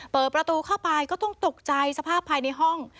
เปิดประตูเข้าไปก็ต้องตกใจสภาพภายในห้อง